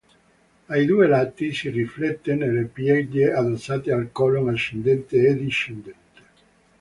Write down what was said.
Ai due lati si riflette nelle pieghe addossate al colon ascendente e discendente.